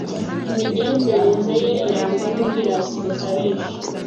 imigenzereze ye irangwa n’ubwirasi bukabije